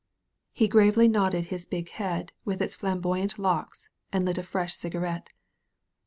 He gravely nodded his big head with its flam boyant locks, and lit a fresh cigarette.